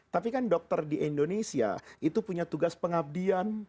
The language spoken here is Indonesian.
tapi kan dokter di indonesia itu punya tugas pengabdian